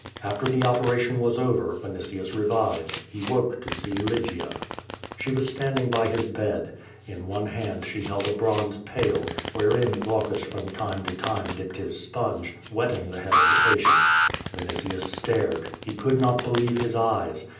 After the operation was over, Vinitius revived. He woke to see Lygia. She was standing by his bed. In one hand she held a bronze pail, wherein Glaucus from time to time dipped his sponge, wetting the head of the patient. Vinitius stared. He could not believe his eyes.